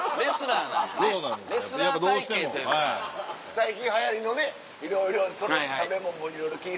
最近流行りのねいろいろ食べ物も気ぃ使って。